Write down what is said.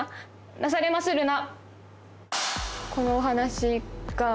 なされまするな。